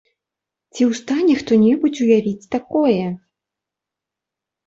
Ці ў стане хто-небудзь уявіць такое?!